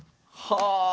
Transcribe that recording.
はあ！